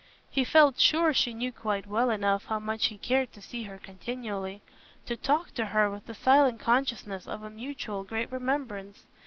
He felt sure she knew quite well enough how much he cared to see her continually—to talk to her with the silent consciousness of a mutual great remembrance.